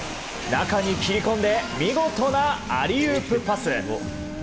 中に切り込んで見事なアリウープパス。